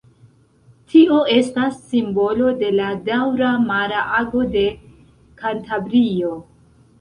Tio estas simbolo de la daŭra mara ago de Kantabrio.